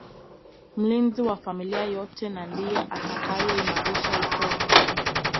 Mlinzi wa familia yote na ndiye atakayeimarisha ukoo